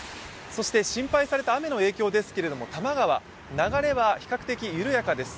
そして心配された雨の影響ですけれども、多摩川、流れは比較的緩やかです。